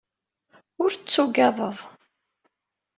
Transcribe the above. Ur tugadeḍ.